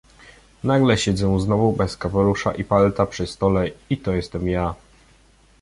"Nagle siedzę znowu bez kapelusza i palta przy stole i to jestem ja."